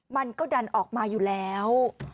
มันก็ดันออกมาอยู่แล้ว